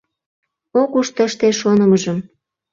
Ок уж тыште шонымыжым.